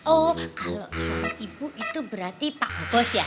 oh kalau sama ibu itu berarti pak agus ya